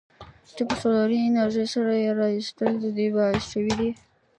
چې په سولري انرژۍ سره یې رایستل د دې باعث شویدي.